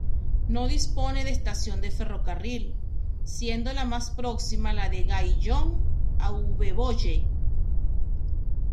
No dispone de estación de ferrocarril, siendo la más próxima la de Gaillon-Aubevoye.